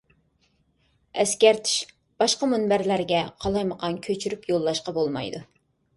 ئەسكەرتىش : باشقا مۇنبەرلەرگە قالايمىقان كۆچۈرۈپ يوللاشقا بولمايدۇ!